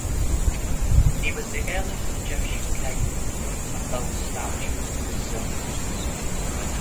He was the earliest Egyptian king known to have built statues of himself.